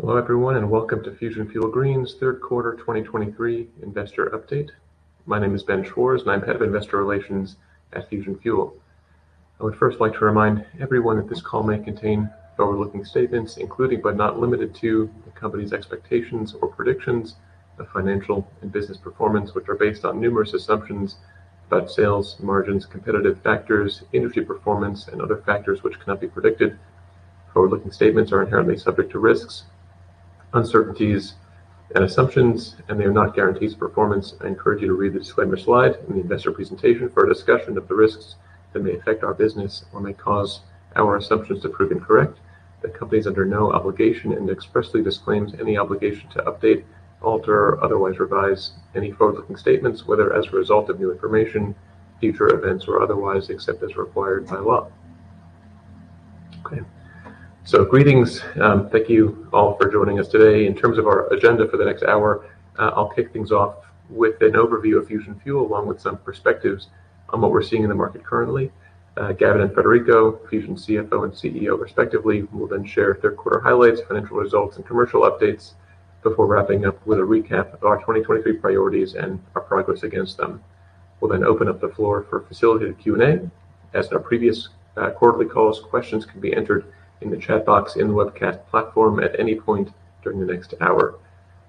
Hello, everyone, and welcome to Fusion Fuel Green's Q3 2023 investor update. My name is Ben Schwarz, and I'm Head of Investor Relations at Fusion Fuel. I would first like to remind everyone that this call may contain forward-looking statements, including, but not limited to, the company's expectations or predictions of financial and business performance, which are based on numerous assumptions about sales, margins, competitive factors, industry performance, and other factors which cannot be predicted. Forward-looking statements are inherently subject to risks, uncertainties, and assumptions, and they are not guarantees of performance. I encourage you to read the disclaimer slide in the investor presentation for a discussion of the risks that may affect our business or may cause our assumptions to prove incorrect. The company is under no obligation and expressly disclaims any obligation to update, alter, or otherwise revise any forward-looking statements, whether as a result of new information, future events, or otherwise, except as required by law. Okay. So greetings, thank you all for joining us today. In terms of our agenda for the next hour, I'll kick things off with an overview of Fusion Fuel, along with some perspectives on what we're seeing in the market currently. Gavin and Frederico, Fusion CFO and CEO respectively, will then share Q3 highlights, financial results, and commercial updates before wrapping up with a recap of our 2023 priorities and our progress against them. We'll then open up the floor for a facilitated Q&A. As in our previous quarterly calls, questions can be entered in the chat box in the webcast platform at any point during the next hour.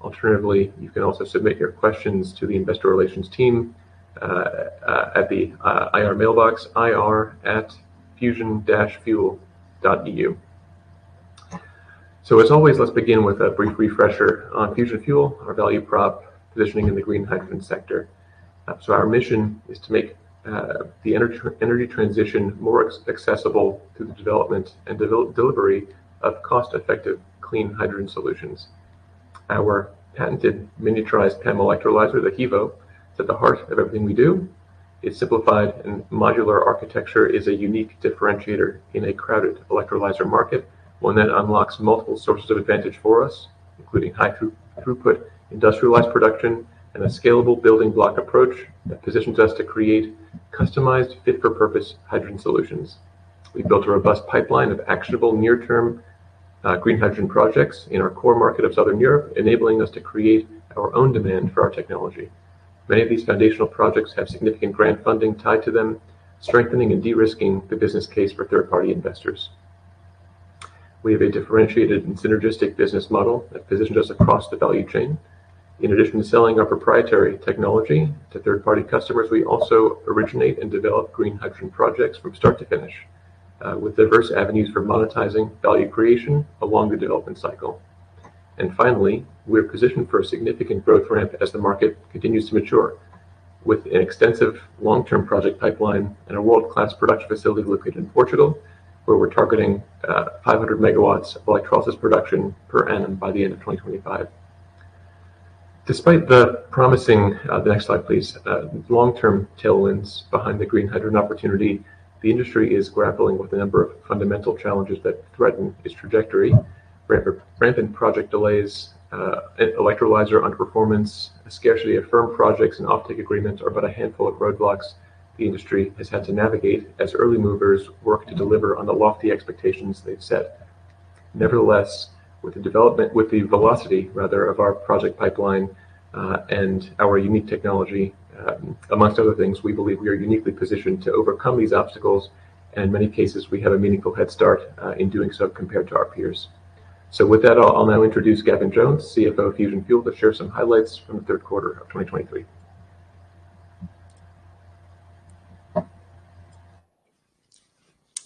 Alternatively, you can also submit your questions to the investor relations team at the IR mailbox, ir@fusionfuel.eu. So as always, let's begin with a brief refresher on Fusion Fuel, our value prop, positioning in the green hydrogen sector. So our mission is to make the energy transition more accessible through the development and delivery of cost-effective, clean hydrogen solutions. Our patented miniaturized PEM electrolyzer, the HEVO, is at the heart of everything we do. Its simplified and modular architecture is a unique differentiator in a crowded electrolyzer market, one that unlocks multiple sources of advantage for us, including high throughput, industrialized production, and a scalable building block approach that positions us to create customized, fit-for-purpose hydrogen solutions. We've built a robust pipeline of actionable near-term green hydrogen projects in our core market of Southern Europe, enabling us to create our own demand for our technology. Many of these foundational projects have significant grant funding tied to them, strengthening and de-risking the business case for third-party investors. We have a differentiated and synergistic business model that positions us across the value chain. In addition to selling our proprietary technology to third-party customers, we also originate and develop green hydrogen projects from start to finish with diverse avenues for monetizing value creation along the development cycle. Finally, we're positioned for a significant growth ramp as the market continues to mature, with an extensive long-term project pipeline and a world-class production facility located in Portugal, where we're targeting 500 MW of electrolysis production per annum by the end of 2025. Despite the promising, the next slide, please, long-term tailwinds behind the green hydrogen opportunity, the industry is grappling with a number of fundamental challenges that threaten its trajectory. Rampant project delays, electrolyzer underperformance, a scarcity of firm projects and offtake agreements are but a handful of roadblocks the industry has had to navigate as early movers work to deliver on the lofty expectations they've set. Nevertheless, with the development, with the velocity, rather, of our project pipeline, and our unique technology, among other things, we believe we are uniquely positioned to overcome these obstacles, and in many cases, we have a meaningful head start, in doing so compared to our peers. So with that, I'll now introduce Gavin Jones, CFO of Fusion Fuel, to share some highlights from the Q3 of 2023.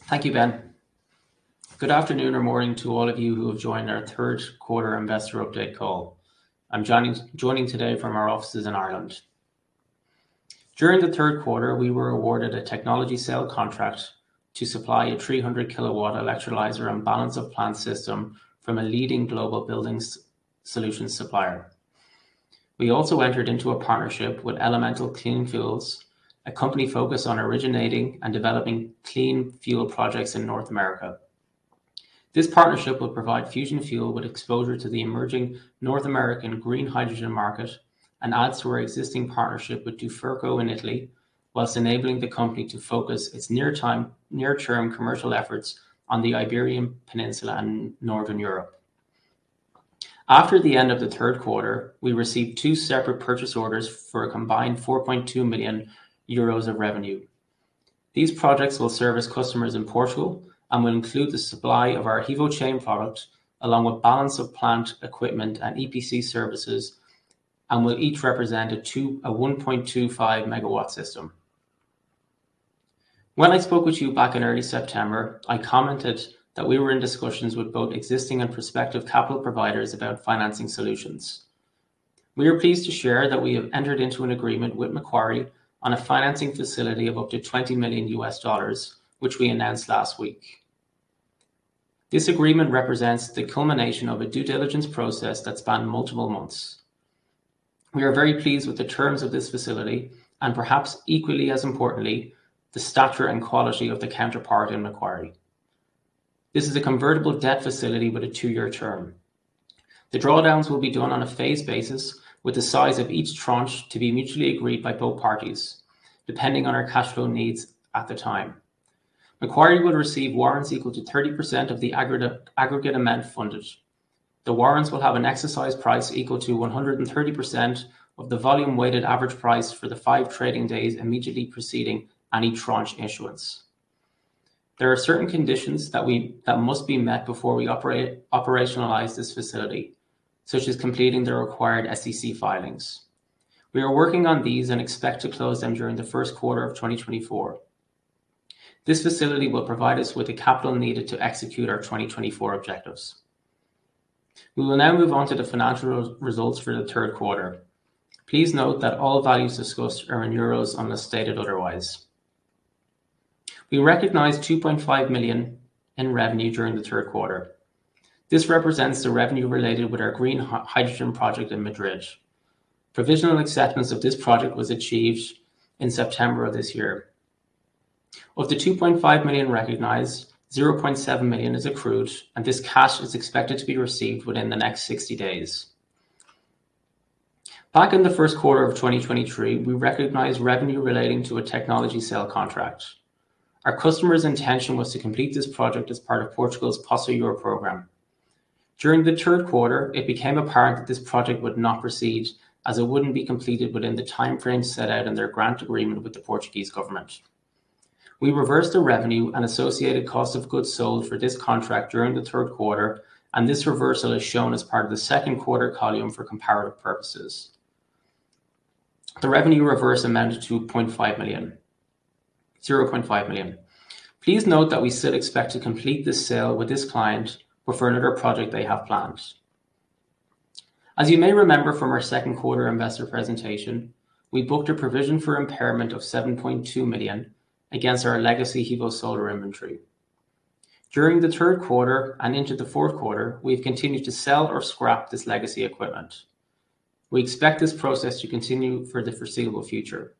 Thank you, Ben. Good afternoon or morning to all of you who have joined our Q3 investor update call. I'm joining today from our offices in Ireland. During the Q3, we were awarded a technology sale contract to supply a 300 kW electrolyzer and balance of plant system from a leading global buildings solutions supplier. We also entered into a partnership with Elemental Clean Fuels, a company focused on originating and developing clean fuel projects in North America. This partnership will provide Fusion Fuel with exposure to the emerging North American green hydrogen market and adds to our existing partnership with Duferco in Italy, whilst enabling the company to focus its near-term commercial efforts on the Iberian Peninsula and Northern Europe. After the end of the Q3, we received two separate purchase orders for a combined 4.2 million euros of revenue. These projects will serve as customers in Portugal and will include the supply of our HEVO-Chain product, along with balance of plant equipment and EPC services, and will each represent a 1.25 MW system. When I spoke with you back in early September, I commented that we were in discussions with both existing and prospective capital providers about financing solutions. We are pleased to share that we have entered into an agreement with Macquarie on a financing facility of up to $20 million, which we announced last week. This agreement represents the culmination of a due diligence process that spanned multiple months. We are very pleased with the terms of this facility, and perhaps equally as importantly, the stature and quality of the counterparty in Macquarie. This is a convertible debt facility with a 2-year term. The drawdowns will be done on a phased basis, with the size of each tranche to be mutually agreed by both parties, depending on our cash flow needs at the time. Macquarie will receive warrants equal to 30% of the aggregate amount funded. The warrants will have an exercise price equal to 130% of the volume-weighted average price for the 5 trading days immediately preceding any tranche issuance. There are certain conditions that must be met before we operationalize this facility, such as completing the required SEC filings. We are working on these and expect to close them during the Q1 of 2024. This facility will provide us with the capital needed to execute our 2024 objectives. We will now move on to the financial results for the Q3. Please note that all values discussed are in euros unless stated otherwise. We recognized 2.5 million in revenue during the Q3. This represents the revenue related with our green hydrogen project in Madrid. Provisional acceptance of this project was achieved in September of this year. Of the 2.5 million recognized, 0.7 million is accrued, and this cash is expected to be received within the next 60 days. Back in the Q1 of 2023, we recognized revenue relating to a technology sale contract. Our customer's intention was to complete this project as part of Portugal's PO SEUR program. During the Q3, it became apparent that this project would not proceed, as it wouldn't be completed within the timeframe set out in their grant agreement with the Portuguese government. We reversed the revenue and associated cost of goods sold for this contract during the Q3, and this reversal is shown as part of the Q2 column for comparative purposes. The revenue reversal amounted to 2.5 million - 0.5 million. Please note that we still expect to complete this sale with this client for another project they have planned. As you may remember from our Q2 investor presentation, we booked a provision for impairment of 7.2 million against our legacy HEVO-Solar inventory. During the Q3 and into the Q4, we've continued to sell or scrap this legacy equipment. We expect this process to continue for the foreseeable future.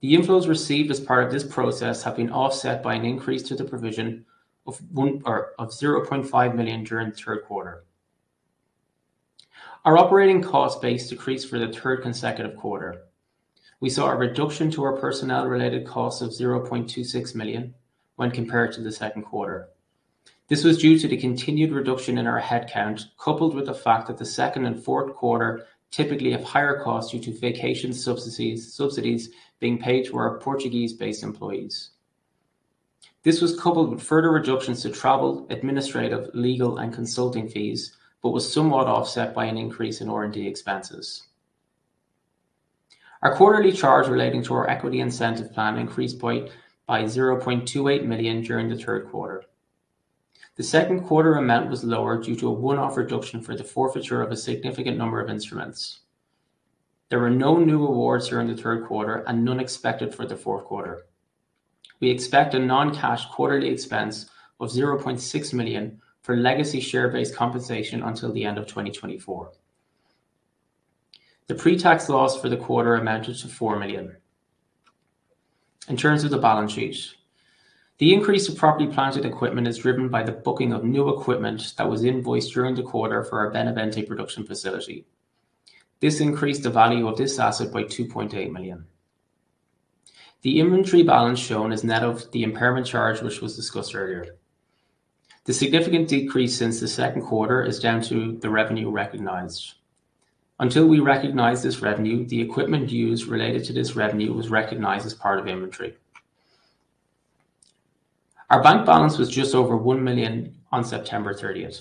The inflows received as part of this process have been offset by an increase to the provision of 0.5 million during the Q3. Our operating cost base decreased for the third consecutive quarter. We saw a reduction to our personnel-related costs of 0.26 million when compared to the Q2. This was due to the continued reduction in our headcount, coupled with the fact that the second and Q4 typically have higher costs due to vacation subsidies, subsidies being paid to our Portuguese-based employees. This was coupled with further reductions to travel, administrative, legal, and consulting fees, but was somewhat offset by an increase in R&D expenses. Our quarterly charge relating to our equity incentive plan increased by 0.28 million during the Q3. The Q2 amount was lower due to a one-off reduction for the forfeiture of a significant number of instruments. There were no new awards during the Q3 and none expected for the Q4. We expect a non-cash quarterly expense of $0.6 million for legacy share-based compensation until the end of 2024. The pre-tax loss for the quarter amounted to $4 million. In terms of the balance sheet, the increase of property, plant, and equipment is driven by the booking of new equipment that was invoiced during the quarter for our Benavente Production Facility. This increased the value of this asset by $2.8 million. The inventory balance shown is net of the impairment charge, which was discussed earlier. The significant decrease since the Q2 is down to the revenue recognized. Until we recognized this revenue, the equipment used related to this revenue was recognized as part of inventory. Our bank balance was just over $1 million on September 30th.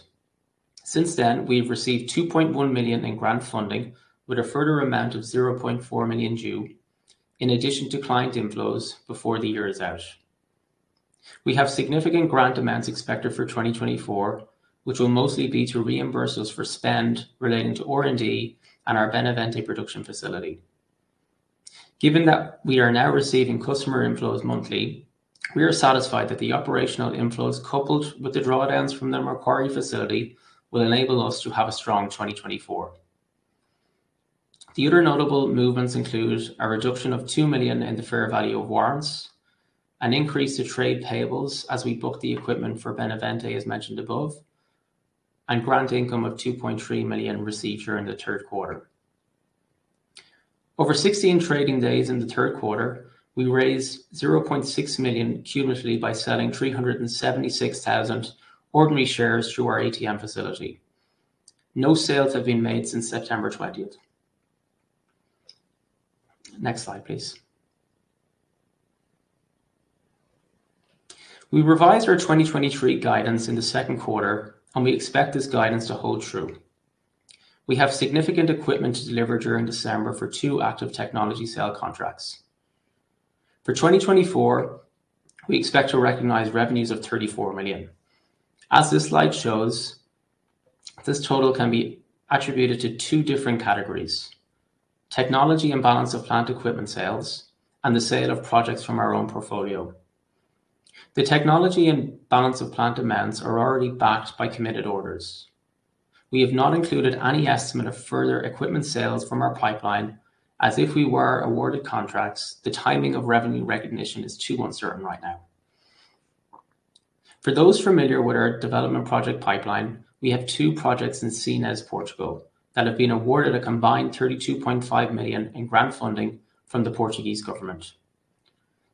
Since then, we've received 2.1 million in grant funding, with a further amount of 0.4 million due, in addition to client inflows before the year is out. We have significant grant amounts expected for 2024, which will mostly be to reimburse us for spend relating to R&D and our Benavente Production Facility. Given that we are now receiving customer inflows monthly, we are satisfied that the operational inflows, coupled with the drawdowns from the Macquarie Facility, will enable us to have a strong 2024. The other notable movements include a reduction of 2 million in the fair value of warrants, an increase to trade payables as we book the equipment for Benavente, as mentioned above, and grant income of 2.3 million received during the Q3. Over 16 trading days in the Q3, we raised $0.6 million cumulatively by selling 376,000 ordinary shares through our ATM facility. No sales have been made since September 20. Next slide, please. We revised our 2023 guidance in the Q2, and we expect this guidance to hold true. We have significant equipment to deliver during December for two active technology sale contracts. For 2024, we expect to recognize revenues of $34 million. As this slide shows, this total can be attributed to two different categories: technology and balance of plant equipment sales and the sale of projects from our own portfolio. The technology and balance of plant demands are already backed by committed orders. We have not included any estimate of further equipment sales from our pipeline, as if we were awarded contracts, the timing of revenue recognition is too uncertain right now. For those familiar with our development project pipeline, we have two projects in Sines, Portugal, that have been awarded a combined 32.5 million in grant funding from the Portuguese government.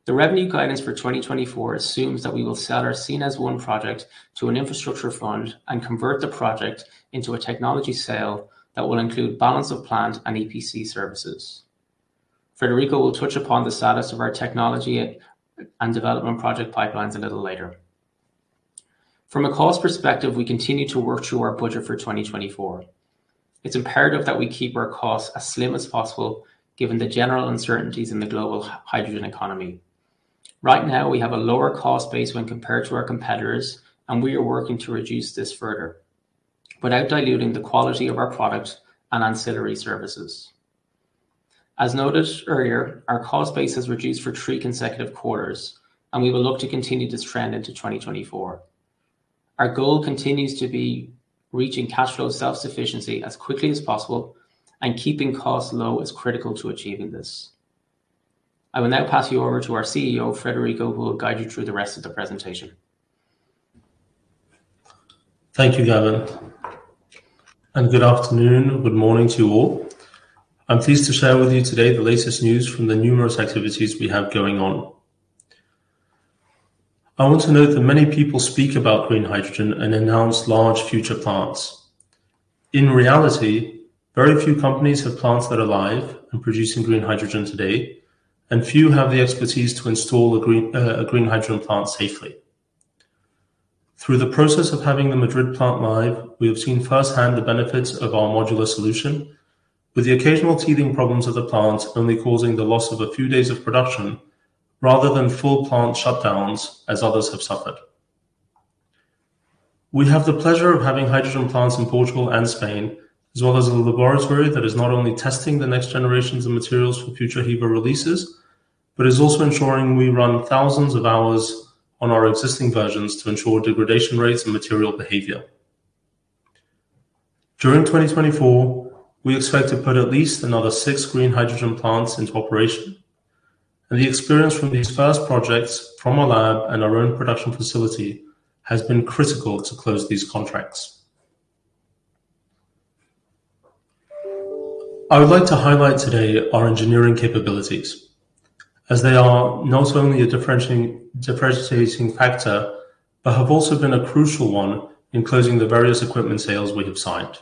The revenue guidance for 2024 assumes that we will sell our Sines 1 project to an infrastructure fund and convert the project into a technology sale that will include balance of plant and EPC services. Frederico will touch upon the status of our technology and development project pipelines a little later. From a cost perspective, we continue to work through our budget for 2024. It's imperative that we keep our costs as slim as possible, given the general uncertainties in the global hydrogen economy. Right now, we have a lower cost base when compared to our competitors, and we are working to reduce this further, without diluting the quality of our product and ancillary services. As noted earlier, our cost base has reduced for three consecutive quarters, and we will look to continue this trend into 2024. Our goal continues to be reaching cash flow self-sufficiency as quickly as possible, and keeping costs low is critical to achieving this. I will now pass you over to our CEO, Frederico, who will guide you through the rest of the presentation. Thank you, Gavin, and good afternoon, good morning to you all. I'm pleased to share with you today the latest news from the numerous activities we have going on. I want to note that many people speak about green hydrogen and announce large future plants. In reality, very few companies have plants that are live and producing green hydrogen today, and few have the expertise to install a green, a green hydrogen plant safely. Through the process of having the Madrid plant live, we have seen firsthand the benefits of our modular solution, with the occasional teething problems of the plant only causing the loss of a few days of production, rather than full plant shutdowns as others have suffered. We have the pleasure of having hydrogen plants in Portugal and Spain, as well as a laboratory that is not only testing the next generations of materials for future HEVO releases, but is also ensuring we run thousands of hours on our existing versions to ensure degradation rates and material behavior. During 2024, we expect to put at least another 6 green hydrogen plants into operation, and the experience from these first projects from our lab and our own production facility has been critical to close these contracts. I would like to highlight today our engineering capabilities, as they are not only a differentiating, differentiating factor, but have also been a crucial one in closing the various equipment sales we have signed.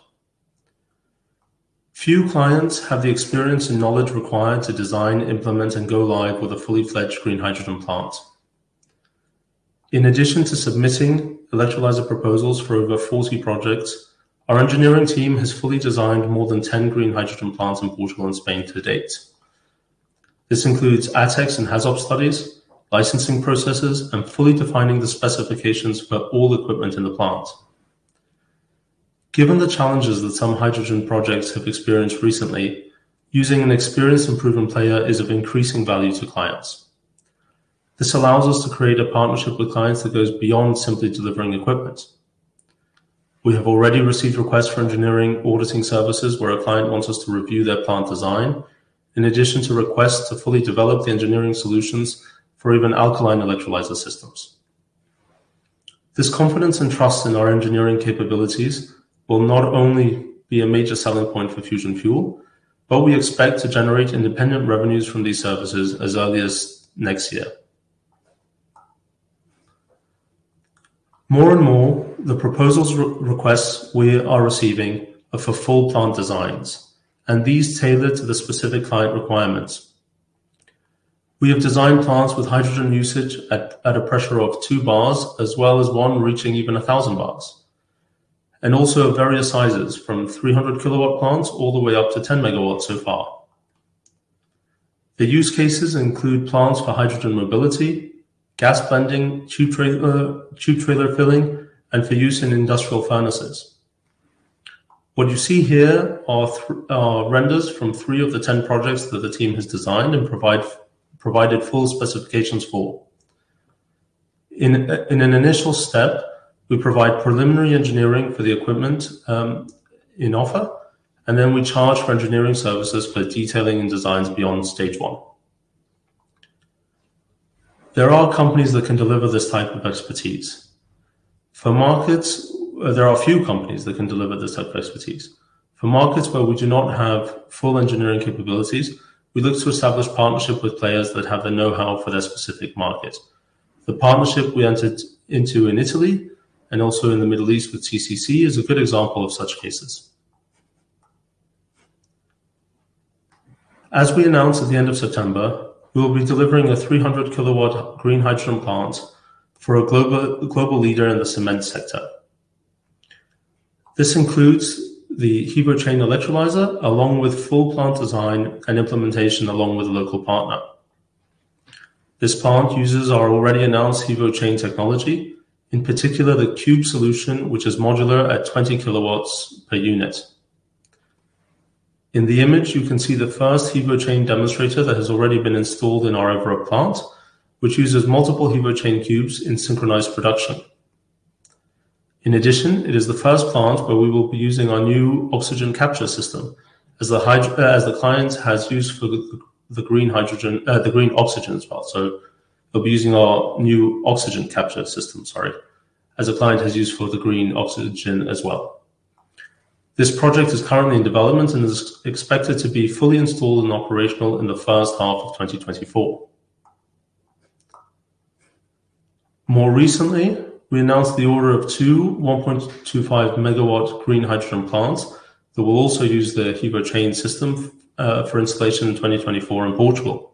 Few clients have the experience and knowledge required to design, implement, and go live with a fully fledged green hydrogen plant. In addition to submitting electrolyzer proposals for over 40 projects, our engineering team has fully designed more than 10 green hydrogen plants in Portugal and Spain to date. This includes ATEX and HAZOP studies, licensing processes, and fully defining the specifications for all equipment in the plant. Given the challenges that some hydrogen projects have experienced recently, using an experienced and proven player is of increasing value to clients. This allows us to create a partnership with clients that goes beyond simply delivering equipment. We have already received requests for engineering auditing services, where a client wants us to review their plant design, in addition to requests to fully develop the engineering solutions for even alkaline electrolyzer systems. This confidence and trust in our engineering capabilities will not only be a major selling point for Fusion Fuel, but we expect to generate independent revenues from these services as early as next year. More and more, the requests we are receiving are for full plant designs, and these tailor to the specific client requirements. We have designed plants with hydrogen usage at a pressure of 2 bars, as well as one reaching even 1,000 bars, and also of various sizes, from 300 kW plants all the way up to 10 MW so far. The use cases include plants for hydrogen mobility, gas blending, tube trailer filling, and for use in industrial furnaces. What you see here are renders from 3 of the 10 projects that the team has designed and provided full specifications for. In an initial step, we provide preliminary engineering for the equipment in offer, and then we charge for engineering services for detailing and designs beyond stage one. There are companies that can deliver this type of expertise. For markets—There are few companies that can deliver this type of expertise. For markets where we do not have full engineering capabilities, we look to establish partnership with players that have the know-how for their specific market. The partnership we entered into in Italy and also in the Middle East with CCC is a good example of such cases. As we announced at the end of September, we will be delivering a 300 kW green hydrogen plant for a global leader in the cement sector. This includes the HEVO-Chain electrolyzer, along with full plant design and implementation, along with a local partner. This plant uses our already announced HEVO-Chain technology, in particular the cube solution, which is modular at 20 kW per unit. In the image, you can see the first HEVO-Chain demonstrator that has already been installed in our Évora plant, which uses multiple HEVO-Chain cubes in synchronized production. In addition, it is the first plant where we will be using our new oxygen capture system. As the client has used for the green hydrogen, the green oxygen as well. So we'll be using our new oxygen capture system, sorry, as the client has used for the green oxygen as well. This project is currently in development and is expected to be fully installed and operational in the H1 of 2024. More recently, we announced the order of two 1.25 MW green hydrogen plants that will also use the HEVO-Chain system for installation in 2024 in Portugal.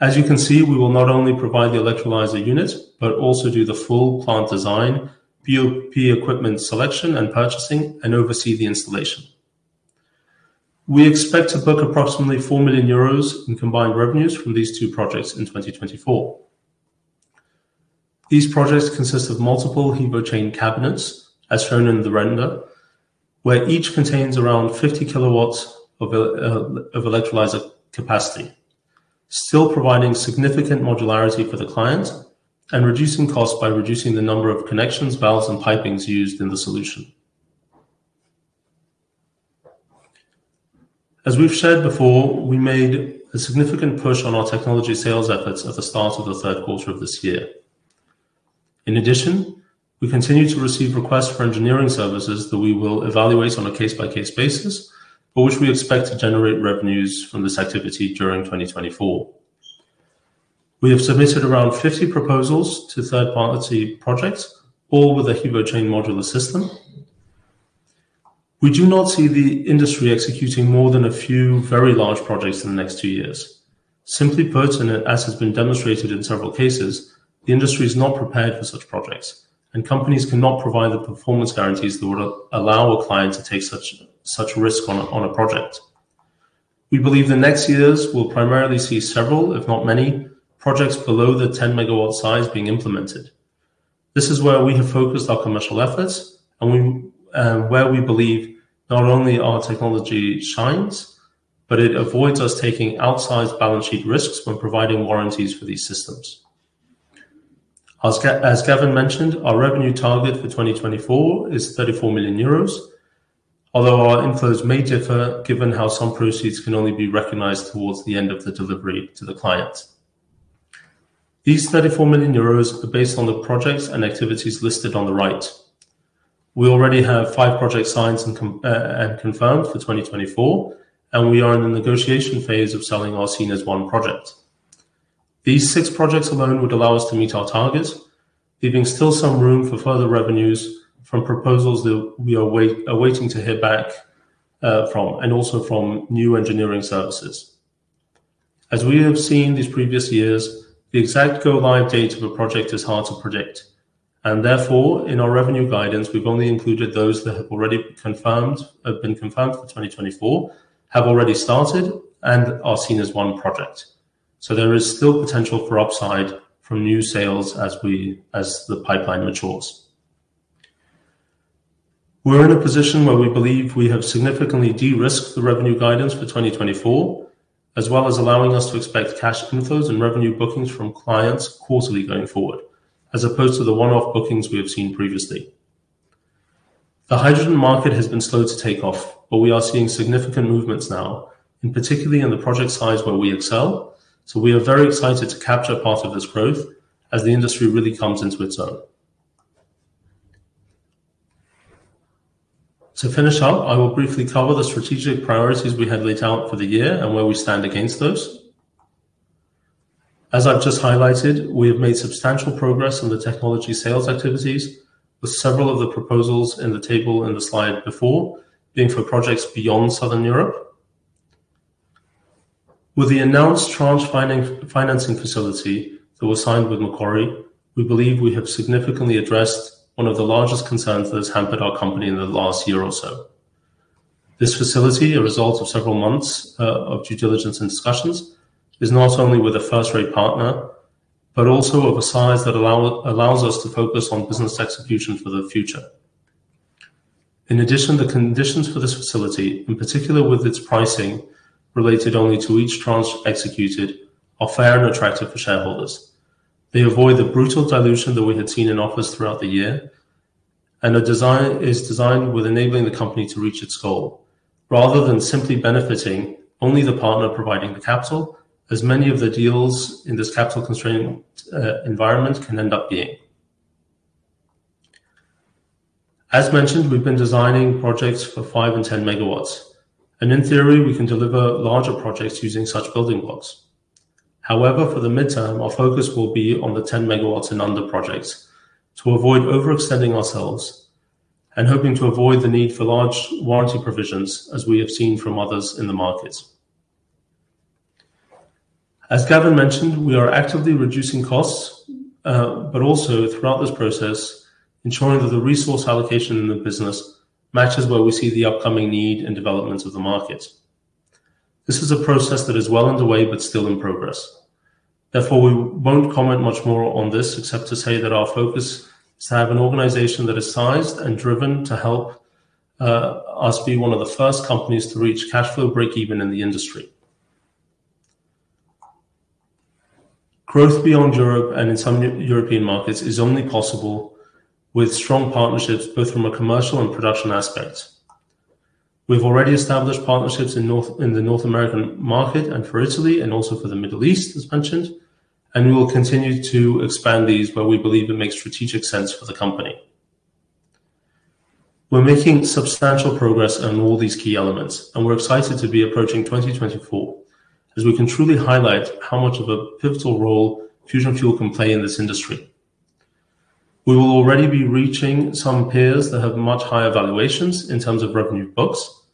As you can see, we will not only provide the electrolyzer unit, but also do the full plant design, BOP equipment selection and purchasing, and oversee the installation. We expect to book approximately 4 million euros in combined revenues from these two projects in 2024. These projects consist of multiple HEVO-Chain cabinets, as shown in the render, where each contains around 50 kW of electrolyzer capacity, still providing significant modularity for the client and reducing costs by reducing the number of connections, valves, and pipings used in the solution. As we've said before, we made a significant push on our technology sales efforts at the start of the Q3 of this year. In addition, we continue to receive requests for engineering services that we will evaluate on a case-by-case basis, but which we expect to generate revenues from this activity during 2024. We have submitted around 50 proposals to third-party projects, all with a HEVO-Chain modular system. We do not see the industry executing more than a few very large projects in the next 2 years. Simply put, and as has been demonstrated in several cases, the industry is not prepared for such projects, and companies cannot provide the performance guarantees that would allow a client to take such risk on a project. We believe the next years will primarily see several, if not many, projects below the 10 MW size being implemented. This is where we have focused our commercial efforts and we, where we believe not only our technology shines, but it avoids us taking outsized balance sheet risks when providing warranties for these systems. As Gavin mentioned, our revenue target for 2024 is 34 million euros, although our inflows may differ, given how some proceeds can only be recognized towards the end of the delivery to the client. These 34 million euros are based on the projects and activities listed on the right. We already have five projects signed and confirmed for 2024, and we are in the negotiation phase of selling our Sines 1 project. These six projects alone would allow us to meet our target, leaving still some room for further revenues from proposals that we are waiting to hear back from, and also from new engineering services. As we have seen these previous years, the exact go-live date of a project is hard to predict, and therefore, in our revenue guidance, we've only included those that have been confirmed for 2024, have already started, and are Sines 1 project. So there is still potential for upside from new sales as the pipeline matures. We're in a position where we believe we have significantly de-risked the revenue guidance for 2024, as well as allowing us to expect cash inflows and revenue bookings from clients quarterly going forward, as opposed to the one-off bookings we have seen previously. The hydrogen market has been slow to take off, but we are seeing significant movements now, and particularly in the project size where we excel, so we are very excited to capture part of this growth as the industry really comes into its own. To finish up, I will briefly cover the strategic priorities we had laid out for the year and where we stand against those. As I've just highlighted, we have made substantial progress on the technology sales activities, with several of the proposals in the table in the slide before being for projects beyond Southern Europe. With the announced tranche financing facility that was signed with Macquarie, we believe we have significantly addressed one of the largest concerns that has hampered our company in the last year or so. This facility, a result of several months of due diligence and discussions, is not only with a first-rate partner, but also of a size that allows us to focus on business execution for the future. In addition, the conditions for this facility, in particular with its pricing related only to each tranche executed, are fair and attractive for shareholders. They avoid the brutal dilution that we had seen in offers throughout the year, and are designed with enabling the company to reach its goal, rather than simply benefiting only the partner providing the capital, as many of the deals in this capital-constrained environment can end up being. As mentioned, we've been designing projects for 5 MW and 10 MW, and in theory, we can deliver larger projects using such building blocks. However, for the midterm, our focus will be on the 10 MW and under projects to avoid overextending ourselves and hoping to avoid the need for large warranty provisions, as we have seen from others in the market. As Gavin mentioned, we are actively reducing costs, but also throughout this process, ensuring that the resource allocation in the business matches where we see the upcoming need and developments of the market. This is a process that is well underway, but still in progress. Therefore, we won't comment much more on this, except to say that our focus is to have an organization that is sized and driven to help us be one of the first companies to reach cash flow breakeven in the industry. Growth beyond Europe and in some European markets is only possible with strong partnerships, both from a commercial and production aspect. We've already established partnerships in North, in the North American market and for Italy, and also for the Middle East, as mentioned, and we will continue to expand these where we believe it makes strategic sense for the company. We're making substantial progress on all these key elements, and we're excited to be approaching 2024, as we can truly highlight how much of a pivotal role Fusion Fuel can play in this industry. We will already be reaching some peers that have much higher valuations in terms of revenue books,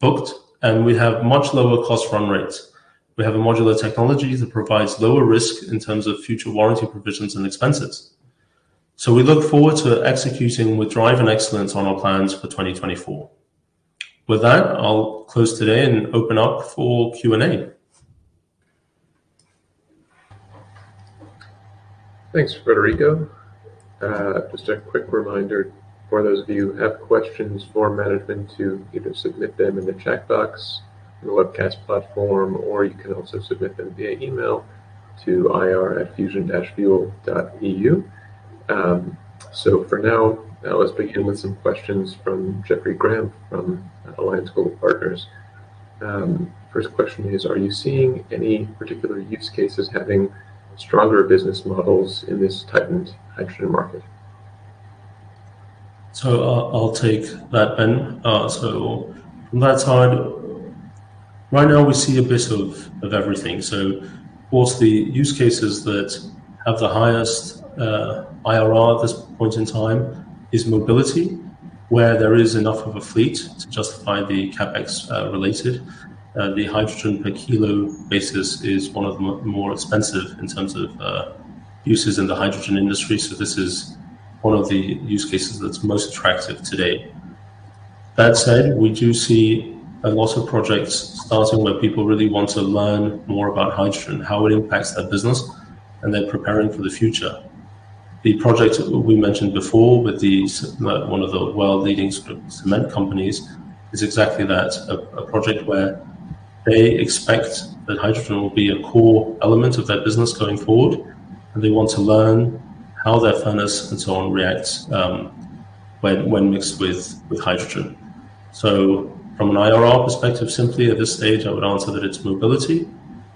booked, and we have much lower cost run rates. We have a modular technology that provides lower risk in terms of future warranty provisions and expenses. So we look forward to executing with drive and excellence on our plans for 2024. With that, I'll close today and open up for Q&A. Thanks, Frederico. Just a quick reminder for those of you who have questions formatted them to either submit them in the chat box, in the webcast platform, or you can also submit them via email to ir@fusionfuel.eu. So for now, let's begin with some questions from Jeffrey Campbell, from Alliance Global Partners. First question is: Are you seeing any particular use cases having stronger business models in this tightened hydrogen market? So I, I'll take that, Ben. So from that side, right now we see a bit of, of everything. So of course, the use cases that have the highest, IRR at this point in time is mobility, where there is enough of a fleet to justify the CapEx, related. The hydrogen per kilo basis is one of the more, more expensive in terms of, uses in the hydrogen industry, so this is one of the use cases that's most attractive today. That said, we do see a lot of projects starting, where people really want to learn more about hydrogen, how it impacts their business, and they're preparing for the future. The project we mentioned before with one of the world-leading cement companies, is exactly that. A project where they expect that hydrogen will be a core element of their business going forward, and they want to learn how their furnace and so on reacts, when mixed with hydrogen. So from an IRR perspective, simply at this stage, I would answer that it's mobility,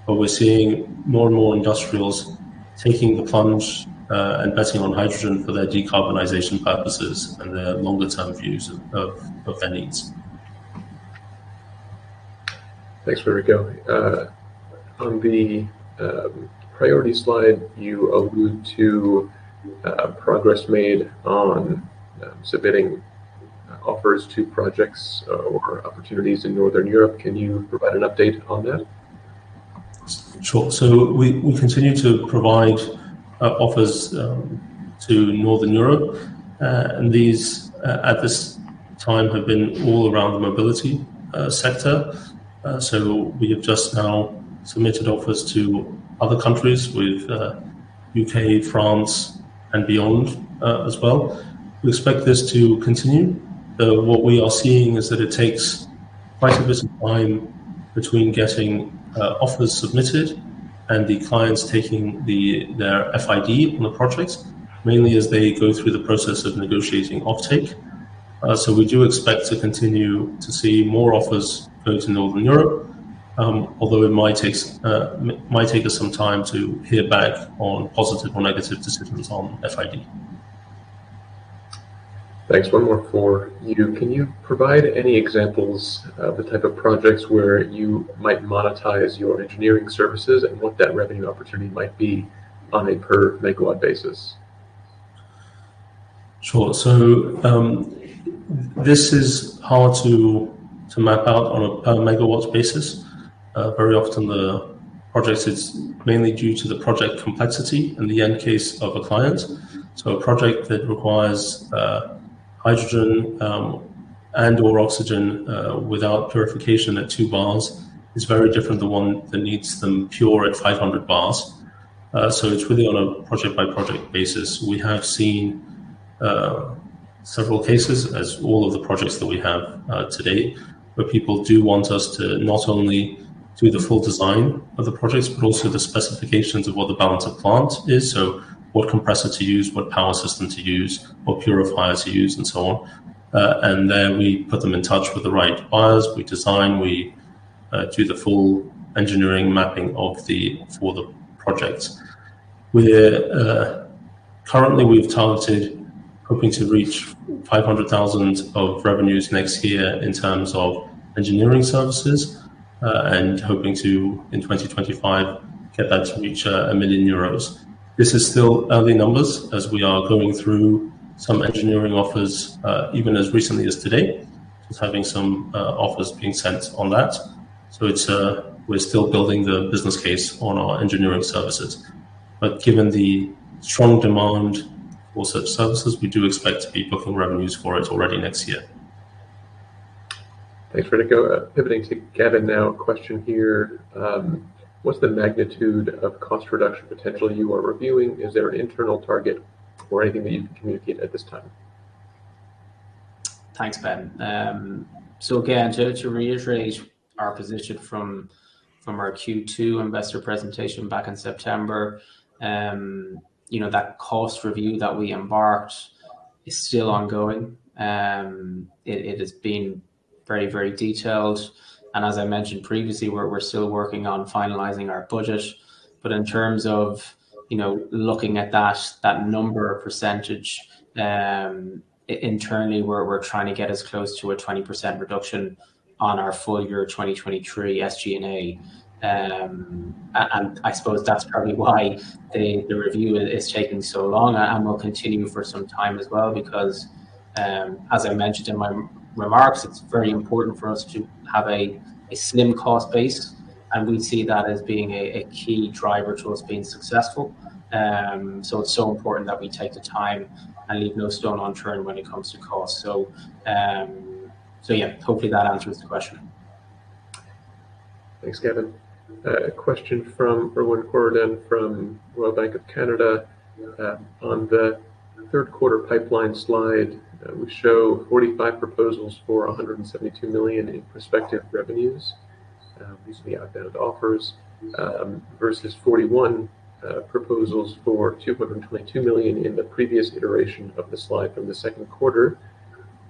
but we're seeing more and more industrials taking the plunge, and betting on hydrogen for their decarbonization purposes and their longer-term views of their needs. Thanks, Frederico. On the priority slide, you allude to progress made on submitting offers to projects or opportunities in Northern Europe. Can you provide an update on that? Sure. So we continue to provide offers to Northern Europe, and these at this time have been all around the mobility sector. So we have just now submitted offers to other countries with UK, France, and beyond as well. We expect this to continue. What we are seeing is that it takes quite a bit of time between getting offers submitted and the clients taking their FID on the projects, mainly as they go through the process of negotiating offtake. So we do expect to continue to see more offers go to Northern Europe, although it might take us some time to hear back on positive or negative decisions on FID. Thanks. One more for you. Can you provide any examples of the type of projects where you might monetize your engineering services, and what that revenue opportunity might be on a per MW basis? Sure. So, this is hard to map out on a MW basis. Very often the project is mainly due to the project complexity and the end case of a client. So a project that requires hydrogen and/or oxygen without purification at 2 bars is very different than one that needs them pure at 500 bars. So it's really on a project-by-project basis. We have seen several cases as all of the projects that we have today, where people do want us to not only do the full design of the projects, but also the specifications of what the balance of plant is. So what compressor to use, what power system to use, what purifier to use, and so on. And then we put them in touch with the right buyers. We design, we do the full engineering mapping for the projects. We're currently, we've targeted hoping to reach 500,000 of revenues next year in terms of engineering services, and hoping to, in 2025, get that to reach 1 million euros. This is still early numbers, as we are going through some engineering offers, even as recently as today. Just having some offers being sent on that. So it's, we're still building the business case on our engineering services, but given the strong demand for such services, we do expect to be booking revenues for it already next year. Thanks, Frederico. Pivoting to Gavin now. Question here: What's the magnitude of cost reduction potential you are reviewing? Is there an internal target or anything that you can communicate at this time? Thanks, Ben. So again, to reiterate our position from our Q2 investor presentation back in September, you know, that cost review that we embarked is still ongoing. It has been very, very detailed, and as I mentioned previously, we're still working on finalizing our budget. But in terms of, you know, looking at that number or percentage, internally, we're trying to get as close to a 20% reduction on our full year 2023 SG&A. And I suppose that's partly why the review is taking so long and will continue for some time as well, because, as I mentioned in my remarks, it's very important for us to have a slim cost base, and we see that as being a key driver to us being successful. So, it's so important that we take the time and leave no stone unturned when it comes to cost. So, so yeah, hopefully that answers the question. Thanks, Gavin. A question from Erwan Kerouredan from Royal Bank of Canada. On the Q3 pipeline slide, we show 45 proposals for 172 million in prospective revenues. These are the outbound offers, versus 41 proposals for 222 million in the previous iteration of the slide from the Q2.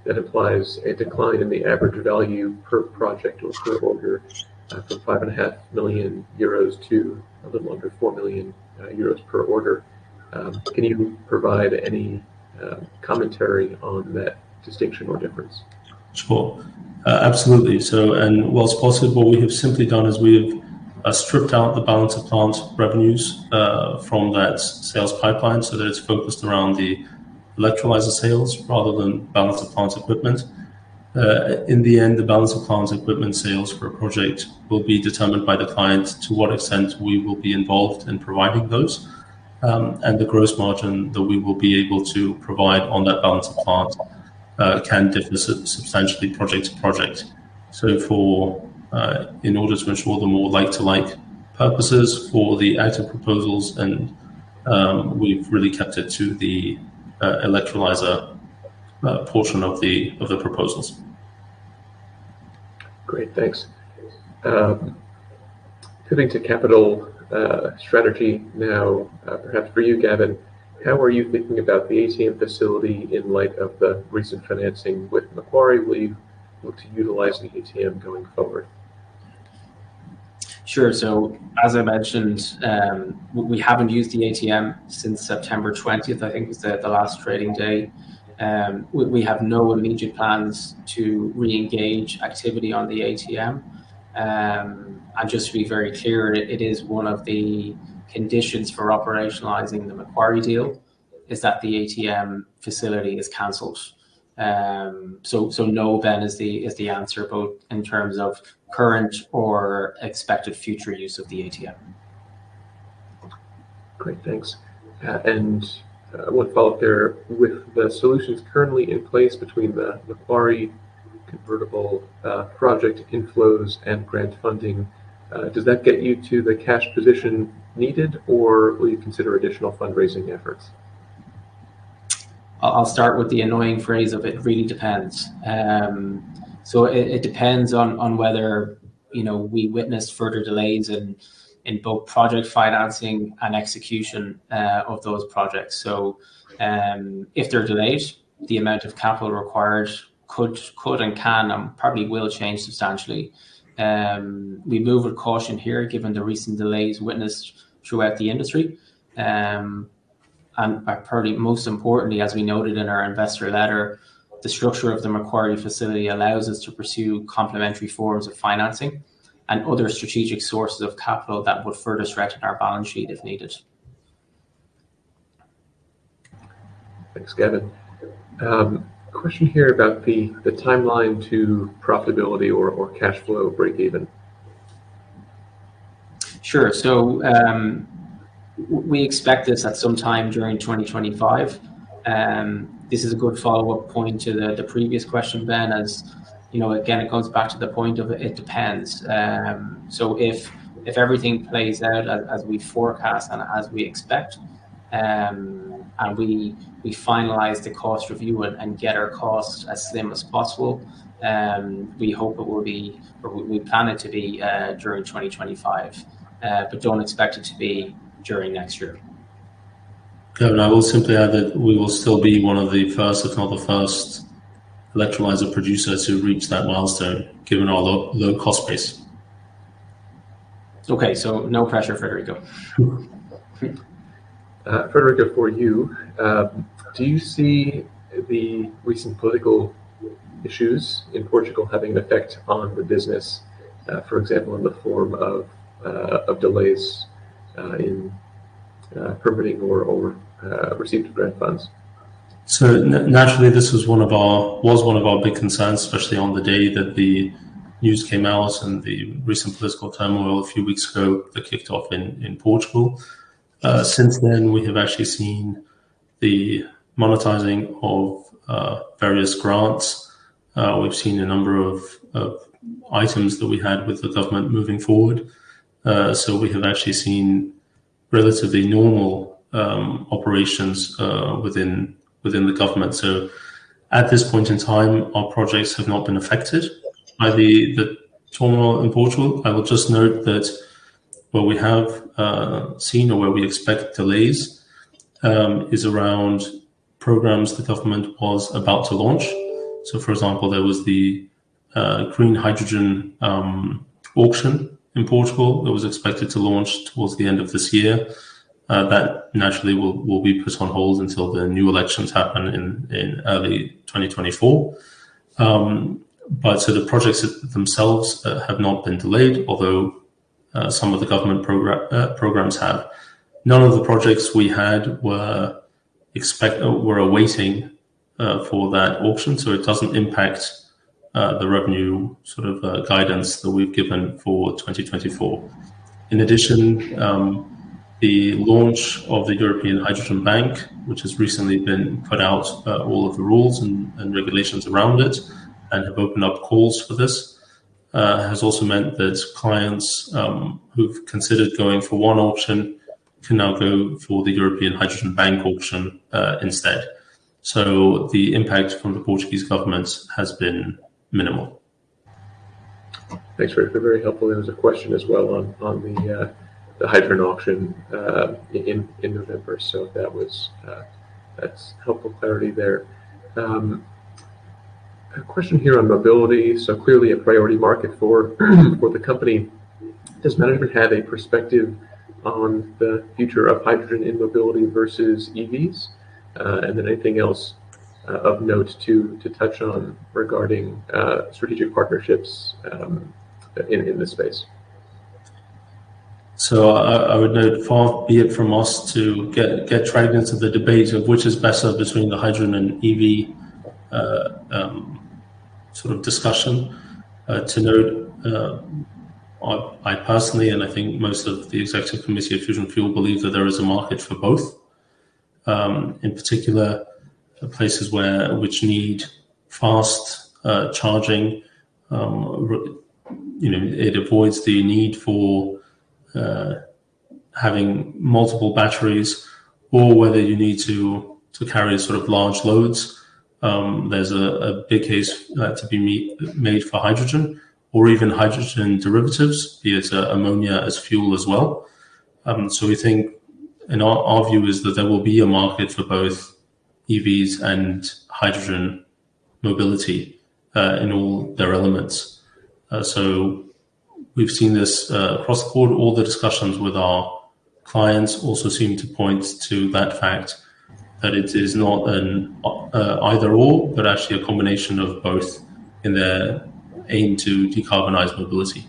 That implies a decline in the average value per project or per order, from 5.5 million euros to a little under 4 million euros per order. Can you provide any commentary on that distinction or difference? Sure. Absolutely. So, and what's possible, what we have simply done is we have stripped out the balance of plant revenues from that sales pipeline so that it's focused around the electrolyzer sales rather than balance of plant equipment. In the end, the balance of plant equipment sales for a project will be determined by the client to what extent we will be involved in providing those. And the gross margin that we will be able to provide on that balance of plant can differ substantially project to project. So for in order to ensure the more like to like purposes for the active proposals and, we've really kept it to the electrolyzer portion of the proposals. Great, thanks. Moving to capital strategy now, perhaps for you, Gavin. How are you thinking about the ATM facility in light of the recent financing with Macquarie? Will you look to utilize the ATM going forward? Sure. So as I mentioned, we haven't used the ATM since September twentieth, I think was the last trading day. We have no immediate plans to reengage activity on the ATM. And just to be very clear, it is one of the conditions for operationalizing the Macquarie deal, is that the ATM facility is canceled. So no, Ben, is the answer, both in terms of current or expected future use of the ATM. Great, thanks. One follow up there. With the solutions currently in place between the Macquarie convertible, project inflows and grant funding, does that get you to the cash position needed, or will you consider additional fundraising efforts? I'll start with the annoying phrase it really depends. So it depends on whether, you know, we witness further delays in both project financing and execution of those projects. So, if they're delayed, the amount of capital required could and can and probably will change substantially. We move with caution here, given the recent delays witnessed throughout the industry. And probably most importantly, as we noted in our investor letter, the structure of the Macquarie facility allows us to pursue complementary forms of financing and other strategic sources of capital that would further strengthen our balance sheet if needed. Thanks, Gavin. Question here about the timeline to profitability or cash flow break even. Sure. So, we expect this at some time during 2025. This is a good follow-up point to the previous question, Ben, as you know, again, it comes back to the point of it depends. So if everything plays out as we forecast and as we expect, and we finalize the cost review and get our costs as slim as possible, we hope it will be, or we plan it to be, during 2025. But don't expect it to be during next year. Gavin, I will simply add that we will still be one of the first, if not the first, electrolyzer producer to reach that milestone, given our low, low cost base. Okay, so no pressure, Frederico. Sure. Frederico, for you, do you see the recent political issues in Portugal having an effect on the business, for example, in the form of delays in permitting or received grant funds? So naturally, this was one of our big concerns, especially on the day that the news came out and the recent political turmoil a few weeks ago that kicked off in Portugal. Since then, we have actually seen the monetizing of various grants. We've seen a number of items that we had with the government moving forward. So we have actually seen relatively normal operations within the government. So at this point in time, our projects have not been affected by the turmoil in Portugal. I will just note that where we have seen or where we expect delays is around programs the government was about to launch. So for example, there was the green hydrogen auction in Portugal that was expected to launch towards the end of this year. That naturally will be put on hold until the new elections happen in early 2024. But so the projects themselves have not been delayed, although some of the government programs have. None of the projects we had were awaiting for that auction, so it doesn't impact the revenue sort of guidance that we've given for 2024. In addition, the launch of the European Hydrogen Bank, which has recently been put out all of the rules and regulations around it, and have opened up calls for this, has also meant that clients who've considered going for one auction can now go for the European Hydrogen Bank auction instead. So the impact from the Portuguese government has been minimal. Thanks, Frederico. Very helpful. There was a question as well on the hydrogen auction in November. So that was, that's helpful clarity there. A question here on mobility. So clearly a priority market for the company. Does management have a perspective on the future of hydrogen in mobility versus EVs? And then anything else of note to touch on regarding strategic partnerships in this space? So I would note, far be it from us to get trained into the debate of which is better between the hydrogen and EV sort of discussion. To note, I personally, and I think most of the executive committee at Fusion Fuel, believe that there is a market for both. In particular, places where which need fast charging, you know, it avoids the need for having multiple batteries or whether you need to carry sort of large loads. There's a big case to be made for hydrogen or even hydrogen derivatives, be it ammonia as fuel as well. So we think, and our view is that there will be a market for both EVs and hydrogen mobility in all their elements. So we've seen this across the board. All the discussions with our clients also seem to point to that fact that it is not an either/or, but actually a combination of both in their aim to decarbonize mobility.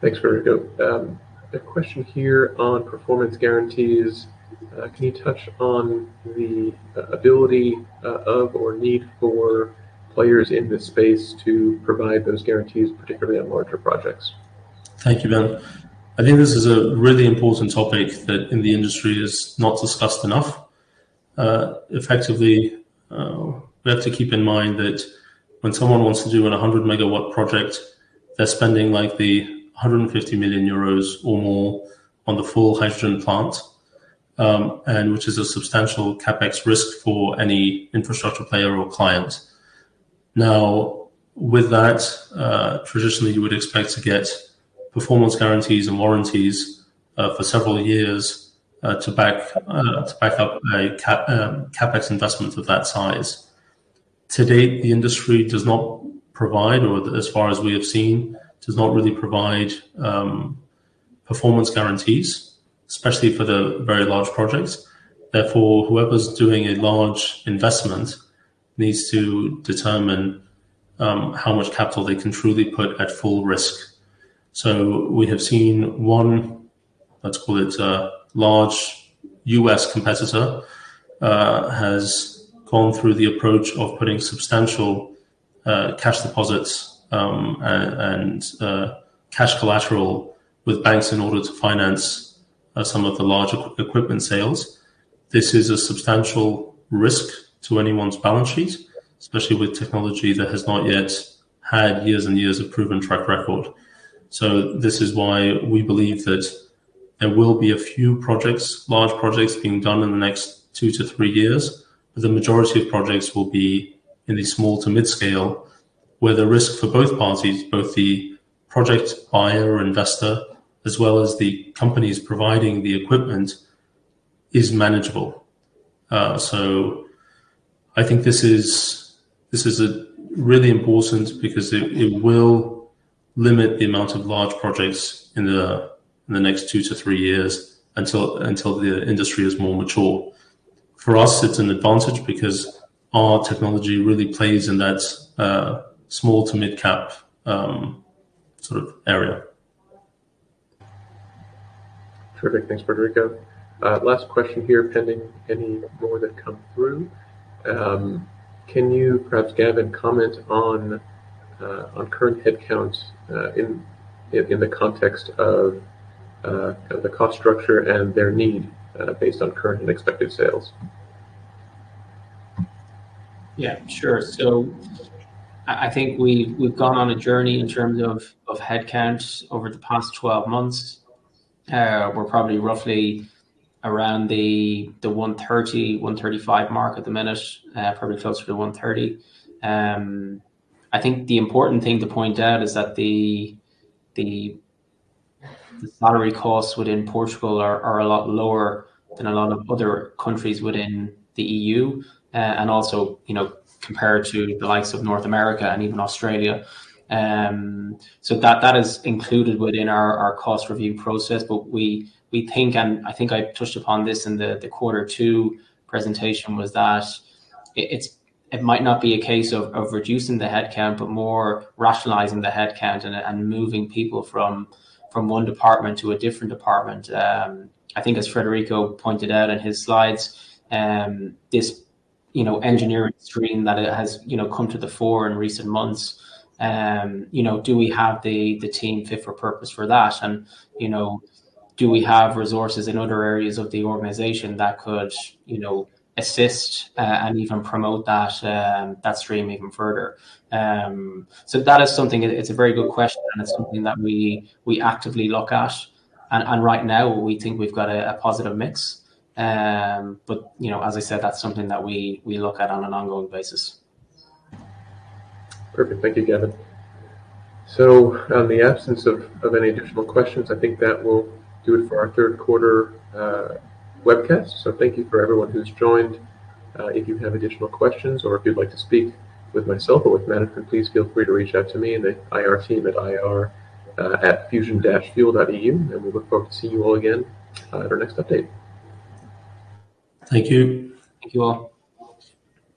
Thanks, Frederico. A question here on performance guarantees. Can you touch on the ability or need for players in this space to provide those guarantees, particularly on larger projects? Thank you, Ben. I think this is a really important topic that in the industry is not discussed enough. Effectively, we have to keep in mind that when someone wants to do a 100-MW project, they're spending like 150 million euros or more on the full hydrogen plant, and which is a substantial CapEx risk for any infrastructure player or client. Now, with that, traditionally, you would expect to get performance guarantees and warranties, for several years, to back, to back up a CapEx, CapEx investment of that size. To date, the industry does not provide, or as far as we have seen, does not really provide, performance guarantees, especially for the very large projects. Therefore, whoever's doing a large investment needs to determine, how much capital they can truly put at full risk. So we have seen one, let's call it a large U.S. competitor, has gone through the approach of putting substantial, cash deposits, and, cash collateral with banks in order to finance, some of the larger equipment sales. This is a substantial risk to anyone's balance sheet, especially with technology that has not yet had years and years of proven track record. So this is why we believe that there will be a few projects, large projects being done in the next 2-3 years, but the majority of projects will be in the small to mid-scale, where the risk for both parties, both the project buyer or investor, as well as the companies providing the equipment, is manageable. So I think this is really important because it will limit the amount of large projects in the next 2-3 years until the industry is more mature. For us, it's an advantage because our technology really plays in that small to mid-cap sort of area. Terrific. Thanks, Frederico. Last question here, pending any more that come through. Can you, perhaps Gavin, comment on current headcounts, in the context of the cost structure and their need, based on current and expected sales? Yeah, sure. So I think we've gone on a journey in terms of headcount over the past 12 months. We're probably roughly around the 130, 135 mark at the minute, probably closer to the 130. I think the important thing to point out is that the salary costs within Portugal are a lot lower than a lot of other countries within the EU, and also, you know, compared to the likes of North America and even Australia. So that is included within our cost review process, but we think, and I think I touched upon this in the Q2 presentation, was that it, it's—it might not be a case of reducing the headcount, but more rationalizing the headcount and moving people from one department to a different department. I think as Frederico pointed out in his slides, this, you know, engineering stream that has, you know, come to the fore in recent months, you know, do we have the team fit for purpose for that? And, you know, do we have resources in other areas of the organization that could, you know, assist and even promote that stream even further? So that is something... It's a very good question, and it's something that we actively look at. Right now, we think we've got a positive mix. But, you know, as I said, that's something that we look at on an ongoing basis. Perfect. Thank you, Gavin. So in the absence of any additional questions, I think that will do it for our Q3 webcast. Thank you for everyone who's joined. If you have additional questions or if you'd like to speak with myself or with management, please feel free to reach out to me and the IR team at ir@fusionfuel.eu, and we look forward to seeing you all again at our next update. Thank you. Thank you, all.